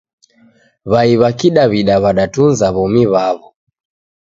W'ai w'a kidaw'ida w'adatunza w'omi w'aw'o.